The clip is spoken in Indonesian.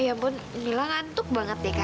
ya ampun mila ngantuk banget ya kak